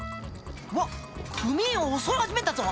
わっ組員を襲い始めたぞ。